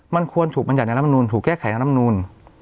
มันควรถูกบัญญัติในลำนูนถูกแก้ไขในลำนูน